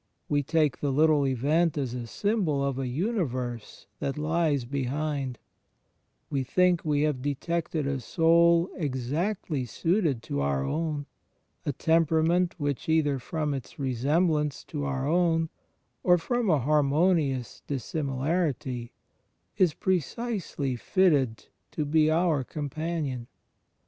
We take the little event as a symbol of a xmiverse that lies behind; we think we have detected a soul exactly suited to our own, a temperament which either from its resemblance to our own, or from a harmonious dissinularity, is pre cisely fitted to be our companion.